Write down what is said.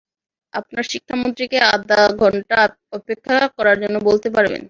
আপনার শিক্ষামন্ত্রীকে আধা ঘন্টা অপেক্ষা করার জন্য বলতে পারবেন?